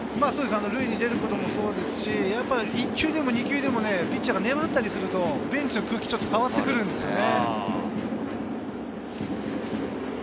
塁に出ることもそうですし、１球でも２球でもピッチャーが粘ったりすると、ベンチの空気変わってくるんですよね。